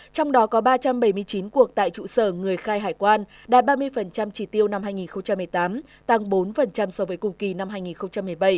trong đó có ba trăm bảy mươi chín cuộc tại trụ sở người khai hải quan đạt ba mươi chỉ tiêu năm hai nghìn một mươi tám tăng bốn so với cùng kỳ năm hai nghìn một mươi bảy